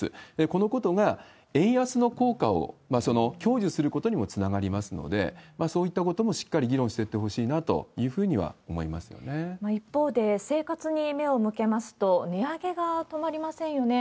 このことが円安の効果を享受することにもつながりますので、そういったこともしっかり議論していってほしいなというふうには一方で、生活に目を向けますと、値上げが止まりませんよね。